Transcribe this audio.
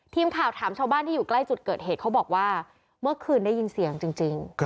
ทีมข่าวถามชาวบ้านที่อยู่ใกล้จุดเกิดเหตุเขาบอกว่าเมื่อคืนได้ยินเสียงจริง